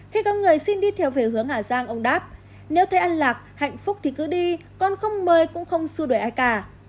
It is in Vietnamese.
khi có người xin đi theo về hướng hà giang ông đáp nếu thấy ăn lạc hạnh phúc thì cứ đi con không mời cũng không xua đuổi ai cả